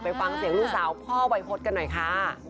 ฟังเสียงลูกสาวพ่อวัยพฤษกันหน่อยค่ะ